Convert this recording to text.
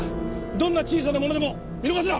どんな小さなものでも見逃すな！